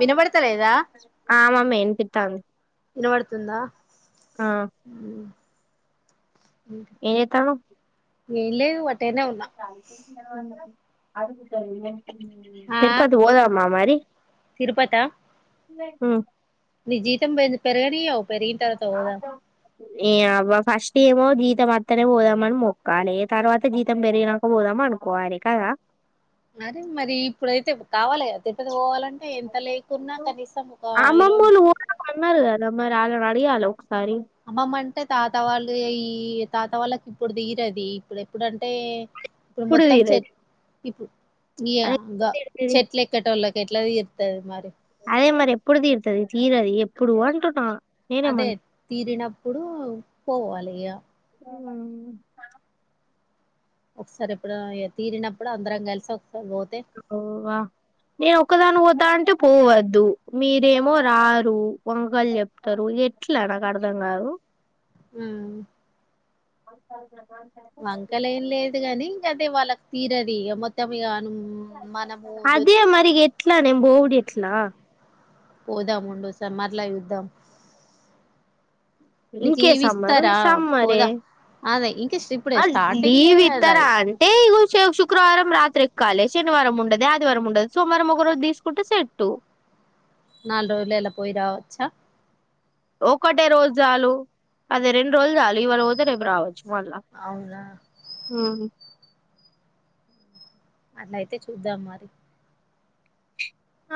వినబడతలేదా? ఆ మమ్మీ వినిపిత్తాంది వినబడుతుందా? ఆ మ్ ఏం చేత్తాన్నవ్ ఏం లేదు వ అ అంద అదిగు ఆ తిరుపతి పోదామా మరి తిరుపతా నీ జీతం పె పెర్గనీయావ్ పెరిగిన్ తర్వాత పోదాం ఏ అవ్వ ఫస్ట్ ఏమో జీతం అత్తనే పోదాం అన్ మొక్కాలే తర్వాత జీతం పెరిగినాక పోదాం మన్కోలే కాదా అరే మరి ఇప్పుడైతే కావాలెగా తిరుపతి పోవాలం ఇరవై అమ్మమ్మోళ్ళు పోదాం అన్నరు కదా మరి ఆళ్ళని అడగాలె ఒక అమ్మమ్మ అంటే తాత వాళ్ళు అయి తాత వాళ్ళకి ఇప్పుడ్ దీరది ఇప్పుడ్ ఎప్పుడంటే ఇప్పుడు ఎప్పుడు మొత్తం చె తీరది ఇప్పు గియ అదే ఎప్పుడు గా తీరుతది చెట్లెక్కేటోళ్ళకి ఎట్ల తీర్తది మరి అదే మరి ఎప్పుడ్ తీర్తది. తీరది ఎప్పుడు అంటున్నా అదే నేనేమన్ తీరినప్పుడు పోవాలి ఇగ ఒకసారి ఎప్పుడ ఇగ తీరినప్పుడు అందరం కల్సి ఒ ఓ వా నే ఒక్కదాన్ పోతా అంటే పోవద్దు. మీరేమో రారు వంకల్ చెప్తరు ఇగ ఎట్ల నాక్ అర్థం గావు. హ్ అవుస అ వంకలేం లేదు గని ఇంకా అదే వాళ్ళక్ తీరది ఇగ మొత్తం ఇగ అదే మరిగ ఎట్లా నేన్ బోవుడెట్లా పోదాం ఉండు సమ్మర్ల చూద్దాం. నీకు ఇంకే లీవ్ సమ్మరు ఈ ఇస్తారా సమ్మరే పోదా అదే ఇంకా స్ట్- ఇప్పుడే ఆ స్టార్టింగే లీవ్ కదా ఇత్తరా అంటే ఇగో శుక్రవారం రాత్రి కాలే శనివారం ఉండది ఆదివారం ఉండది సోమవారం ఒక రోజు తీస్కుంటే సెట్టు నాలుగు రోజలల్ల పోయిరావచ్చా ఒకటే రోజు చాలు అదే రెండు రోజుల్ చాలు ఇవాళ పోతే రేప్ రావచ్చు. మళ్ళ అవునా హ్ అట్లయితే చూద్దాం మరి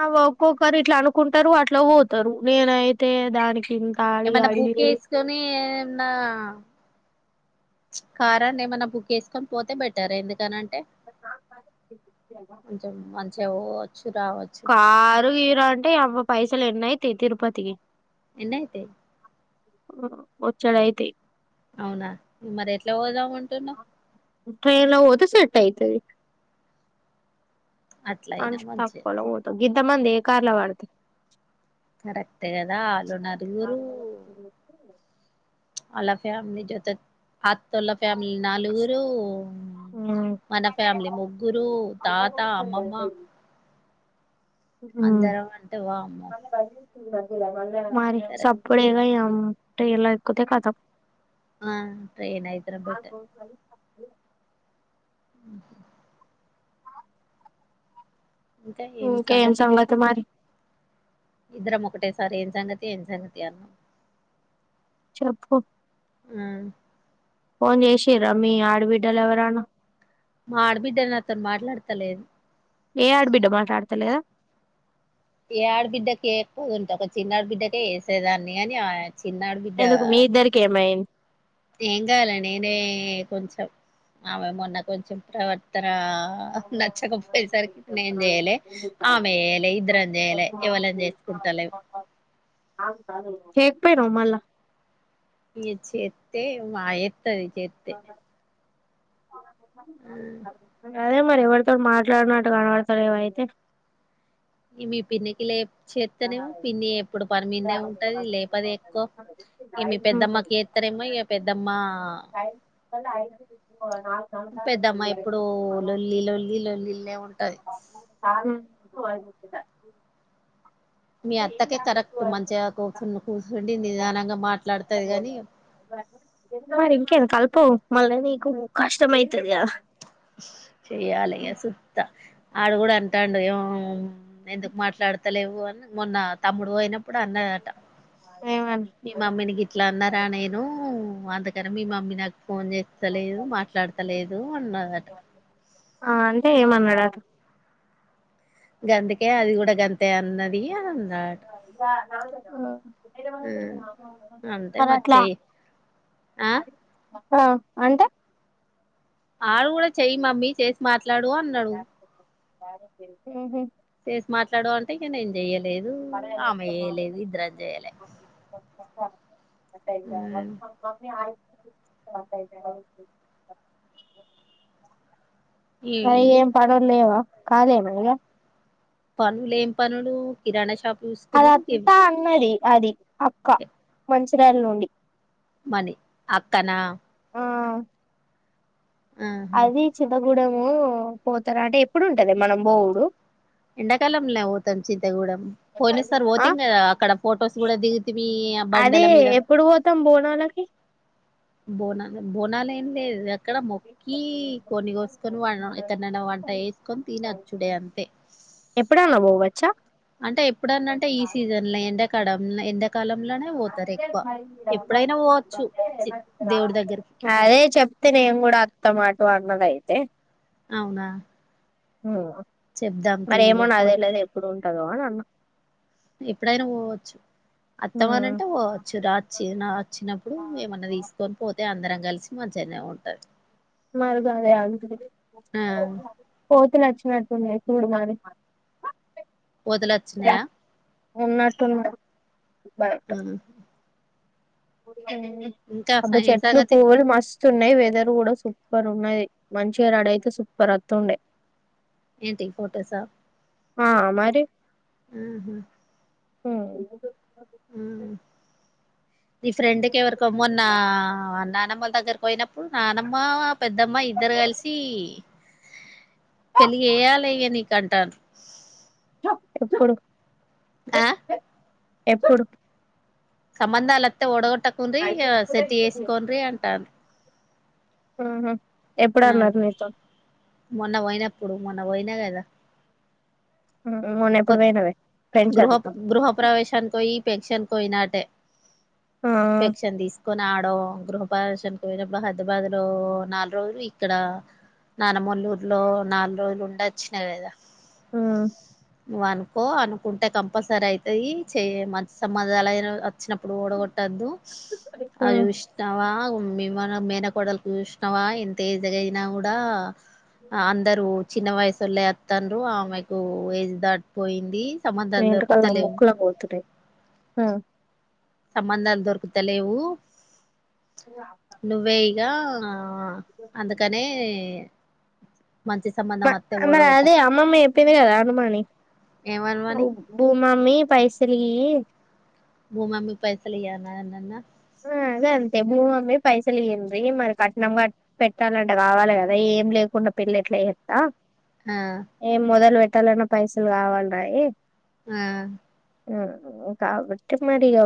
అవ్వ ఒక్కొక్కరు ఇట్ల అనుకుంటారు అట్ల పోతారు నేనైతే దానికి ఇంత అడిగి ఏమన్న అడిగి బుక్ ఏస్కొని ఏమన్నా కారన్న ఏమన్న బుక్ చేస్కొని పోతే బెటర్ ఎందుకనం టే కొంచం మంచిగ పో కారు గీరు అంటే అవ్వ పైసల్ ఎన్నయితే తిరుపతికి ఎన్నైతయి బొచ్చుడ్ అయితయి అవునా మరి ఎట్లా పోదాం అంటున్నవ్ ట్రైన్ల పోతే సెట్ అయితయి. అట్ల అయినా అంటే మంచిదే తక్కోల పోతాం గింత మంది ఏ కార్ల పడ్తం. కరెక్టే కదా ఆళ్ళు నలుగురు ఆళ్ళ ఫ్యామిలీ జత అత్తోళ్ల ఫ్యామిలీ నలుగురు మన ఫ్యామిలీ ముగ్గురు తాత, అమ్మమ్మ మ్ అందరం అంటే వామ్మో మరి కరెక్ట్ సప్పుడేక [inaudible] ట్రైన్ల ఎక్కితే కతం ఆ ట్రైన్ అయితేనే బెటర్ అ ఇంకా ఏం ఇంకేం సంగతి మరి ఇద్దరం ఒకటేసారి ఏం సంగతి ఏం సంగతి అన్నాం. చెప్పు హ్మ్ ఫోన్ జేసిర్ర మీ ఆడబిడ్డలు ఎవరనా మా ఆడబిడ్డలు నాతో మాట్లాడతలేదు ఏ ఆడ బిడ్డ మాట్లాడతలేదా ఏ ఆడ బిడ్డకి ఎక్ ఉంటా ఒక చిన్న బిడ్డకె చేసేదాన్ని అని ఆ చిన్న ఆడబిడ్డా ఎందుకు మీ ఇద్దరికి ఏమైంది ఏం గాలే నేనే కొంచెం ఆమె మొన్న కొంచెం ప్రవర్తన నచ్చకపోయేసరికి నేన్ జేయలె ఆమె జేయలె ఇద్దరం జేయలే ఎవళమ్ జేయలె కుంటలెవ్ చెయ్యక పోయినవ్ మళ్ళ ఇ చేేత్తే మా ఏత్తది చేత్తే అదే మరి ఎవరితో మాట్లాడినట్టు కనబడతలేవ్ అయితే ఇవి పిన్నికి లేవ్ చేత్తనేమో పిన్ని ఎప్పుడు పనిమీద్నే ఉంటది లేపది ఎక్కువ ఇ మీ పెద్దమ్మకి ఎత్తలే యమ్మ ఇగ పెద్దమ్మా పెద్దమ్మ ఎప్పుడు లొల్లి లొల్లి లొల్లిల్లే ఉంటది వన్ ట మీ అత్తకే కరెక్ట్ మంచిగా కూర్చుని కూర్చుండి నిదానంగా మాట్లాడుతది గాని మరి ఇంకేం కలుపు మళ్ళ నీకు కష్టం అయితది గదా చెయ్యాలి సుత్త ఆడు గూడా అంటాండు వివాహమ్ ఎందుకు మాట్లాడతలేవు అని మొన్న తమ్ముడు అయినం అప్పుడు అన్నదట ఏమని మీ మమ్మీని గిట్లా అన్నారా నేను అందుకని మీ మమ్మీ నాకు ఫోన్ చేస్తలేదు మాట్లాడతలేదు అన్నదట ఆ అంటే ఏమన్నాడా గందికే అది కూడా గంతె అన్నది అని అన్నాడట అంటే మరి కరాట్లా చెయ్యి ఆ ఆ అంటే ఆడు గూడా చెయ్యి మమ్మీ చేసి మాట్లాడు అన్నాడు మ్మ్ హు చేసి మాట్లాడు అంటే ఇగ నేను జేయలేదు ఆమె జేయలేదు ఇద్దరం జేయలే మమ్మీ ఆ అయ్ ఈ ఏం పన్లు లేవా కాదేమో గా పనులు ఏం పనులు కిరాణా షాప్ అద చూసుకునుడు గివి అత్తా అన్నది అది అక్క మంచిరాయాల నుండి మనీ అక్కనా ఆ ఆహా అది చింతగూడెము పోతారా అంటే ఎప్పుడు ఉంటదే మనం బోవుడు ఎండాకాలంలే ఓతాం చింతగూడెం పోయిన సార్ ఆ బోతిం కదా అక్కడ ఫొటోస్ గూడా దిగితిమి ఇగ బండల మీద ఓతం బోనాలకి బోనాల బోనాలే లేదిది ఇక్కడ మొక్కి కోడ్ని కోస్కొని వ ఎక్కడనైనా వంట ఎస్కొని తిని అచ్చుడే అంతే ఎప్పుడనా బోవె అంటే ఎప్పుడన్నా అంటే ఈ సీజన్ లో ఎండకడం ఎండల్ అనే ఓత చి దేవుడి దగ్గరికి అదే చెప్తే నేను గూడా టమాటో అన్నడయితే అవునా హ్ చెప్దాం మరి ఏమో తీయగా నాకు పో తెలవది ఎప్పుడు ఉంటదో అని అన్నా. ఎప్పుడైనా పోవచ్చు. అత్తమని అంటే పొవచ్చు రా చి నా అచ్చినప్పుడు ఏమన్నా తీసుకొని పోతే అందరం కలిసి మంచిగనే ఉంటది. మరి గదె ఆ [inaudible] పో నచ్చినట్టున్నయి చూడు మరి. పోద్దలచ్చినయా ఉన్నటు ఉన్నడు. హ అబ్బా ఏం చెట్లు సంగతి పువ్వులు మస్ స్తున్నయి. వెదర్ కూడా సూపర్ ఉన్నది. మంచిగా రడయితే సూపర్ వత్తుండే. ఏంటి ఫోటోసా. ఆ మరి. ఆహా హు హ్ నీ ఫ్రెండ్ కెవరికో మొన్నా నానమ్మల దగ్గరికి పోయిన ప్పుడు నానమ్మ పెద్దమ్మ ఇద్దరు కలిసి పెళ్లి చేయాలే ఇగా నీకంటల్లు. ఎప్పుడు? ఆ ఎప్పుడు? సంబంధాలత్తే పొడగొట్టకుండ్రి ఇగా సెట్ చేసుకోన్రీ అంటర్రు. ఆహా ఆ ఎప్పుడన్నరు నీతో అప్పుడు మొన్న పోయినా కదా. ఉమ్, మొన్న ఎప్పుడు కొత్ పోయినవే ఫ్రెండ్స్ గృహ అంతా గృహ ప్ర్రవేశానికి వోయి పెన్షన్ కోయినా అటే ఆ పెన్షన్ తీస్ కొని ఆడో గృహ ప్రవేశానికి పోయినప్పుడు హైదరాబాద్ లో నాలుగు రోజులు ఇక్కడ నానమ్మెల్ల ఊర్లో నాలుగు రోజులు ఉండచ్చినా కదా. ఆ నువ్వు అనుకో అనుకుంటే కంపల్సరీ అయితయి చెయ్ మంచి సంబంధాలు అయినా అ చ్చినప్పుడు వొడగొట్టద్దు. ఆ అది చూశినవా మీ మన మేనకోడలుకు చూసినవా ఎంత ఏజ్ అయినా కూడా అందరు చిన్న వయసోళ్లే అత్తల్లు ఆమెకు ఏజ్ దాటిపోయింది. నీ సంబంధాలు ఎంటికలు నాకు దొరుకుతలేవు ముక్కులకు పోతున్నయి. ఆ సంబంధాలు దొరుకుతలేవు నువ్వే ఇగా ఆ అందుకనే మంచి మ సంబంధం వత్తే మరి అదే ఓడగొట్టకు అమ్మమ్మ చెప్పింది కదా అనుమని ఏమనమని అవు బూమీ అమ్మి పైసలీయి. బూమీ అమ్మి పైసలు ఇయి అని అనన్నా. ఆ అదే అంతే భూమి అమ్మి పైసలియ్యండ్రీ మరి కట్నంగా పెట్టాలంటె గావాలి గదా ఏం లేకుండా పెళ్ళెట్లా చెత్తా ఆ ఆ ఏం మొదలు పెట్టాలన్నా పైసలు కావాల్రాయె ఆ ఆ కాబట్టి మరి ఇగా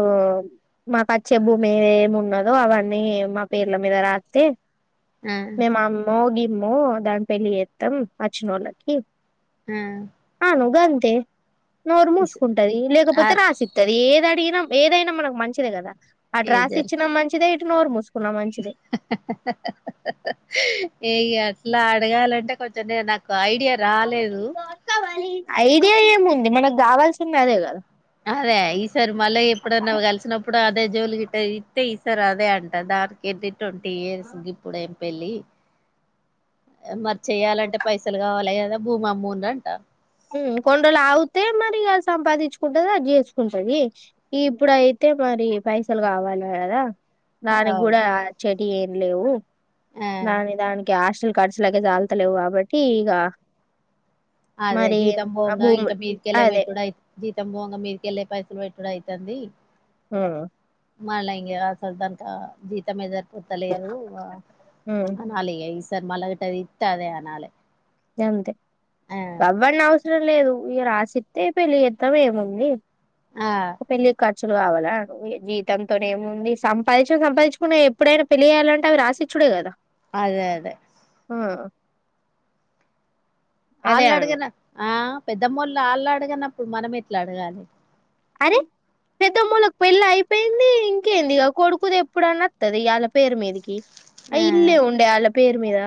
మాకు చ్చె భూమి ఏమెమి ఉన్నదో అవన్నీ మా పేర్ల మీద రాత్తే ఆ మేము అమ్మో గిమ్మో దాని పెళ్లి చేత్తం అచ్చినోళ్ళకి. హ ను గంతే నోరు మూసుకుంటది, ఆ లేకపోతే రాసిత్తది. ఏది అడిగి నం ఏదైనా మనకు మంచిదే కదా అటు రాసి ఇచ్చినా మంచిదే, ఇటు నోర్ ముసు ఏ ఇగా అట్లా అడగాలంటే కొంచం న నాకు ఒక ఐడియా మంచిదే రాలేదు. ఐడియా ఏముంది మనకు కావాల్సింది అదే కదా. అదే ఈసారి మళ్ళీ ఎప్పుడన్నా కలిసినప్పుడు అదే జోలి గిట్ట ఇత్యె ఇసారి అదే అంట డాక్టర్ కి ఏంటి [unintelligible] ట్వంటీ ఇయర్స్ గిప్పుడే మరి చెయాలంటే పైసలు కావాల్ల కదా భూమి అమ్ముందాంటా కొన్ని రోజులు ఆగితే మరి అది సంపాదించుకుంటది అది చేసుకుంటది ఇప్పుడుయితే అయితే మరి పైసలు కావాలి కదా దానికి అవ్ కూడా ఇచ్చెటివీ ఏం లేవు ఆ దని దానికి ఆశ ఖర్చులకి లాకి చాలుతాలేవు కాబట్టి ఇగ అదే జీతం భొవంగా ఇంకా మీరుకెళ్ళ అదే పెట్టుడుయి జీతం భొవంగా మీర్కెళ్ళలే పైసలు పెట్టు ఇప్పుడు అయితాంది అవున మళ్ళా ఇంగ అసలు తనక జీతమే సరిపోతలేదు ఉమ్, అనాలి ఇగ మళ్ళ గిట్ట ఇత్త అని అనాలే అంతే ఆ ఎవ్వరిని అవసరం లేదు ఉ రాసిస్తే పెళ్లి చేత్తం ఏముంది ఆ ఒక పెళ్ళి కాట్ [unintelligible] జీతంతోనేముంది సంపాదించ సంపాదించుకునే ఎప్పుడైనా పెళ్ళి చేయాలంటే అవి రాసిచ్చుడే కదా అదే అదే ఓ వాళ్ళు అడిగన ఆ పెద్దమ్మళ్ళు వాళ్ళు అడగనప్పుడు మనం ఎట్లా అడగాలి అరే పెద్దమ్మల్లకి పెళ్లి అయిపోయింది ఇంకేంది ఇక కొడుకుది ఎప్పుడన్న వాత్తది వాళ్ళ పేరు మీదకి అ ఆ ఇల్లే ఉండే వాళ్ళ పేరు మీద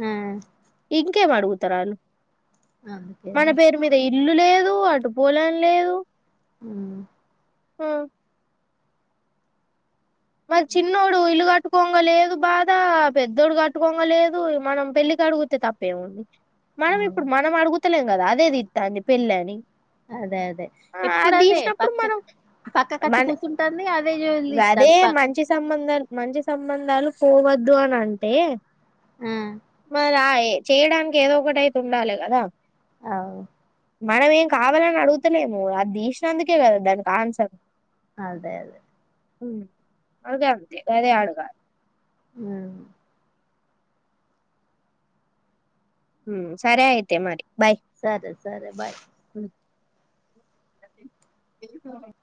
ఆ ఇంకేం అడుగుతారు వాళ్ళు అంతేనా ఇల్లు లేదు అటు పోలం లేదు అ ఓ మరి చిన్నోడు ఇల్లు కట్ట్ కట్టుకోంగ లేదు బాధ పెద్దోడు కట్టుకోంగ లేదు మనం పెళ్ళికి అడుగుతే తప్పేముంది మనం అవును ఇప్పుడు మనం అడుగుతలేం కదా అదే దిత్తందీ పెళ్ళి అని అదే అదే ఎప్పుడు అదే మనం పక్కకు పక్కకు కొచ్చి కూర్చుంటాంది అది అదే మంచి సంబంధాలు మంచి సంబంధాలు చూడద్దు అని అంటే ఆ చేయడానికి ఏదో ఒకటైతే ఉండాలే కదా అవును మనం ఏం కావాలని అడుగుతలేము అది తీసినందుకే కదా దానికి ఆన్సర్ అదే అదే హ్మ్ అది అంతే వారే ఆడుగా ఉను హ్మ్ సరే అయితే మరి బాయ్ సరే సరే బాయ్ [inaudible]